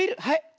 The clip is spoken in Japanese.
はい。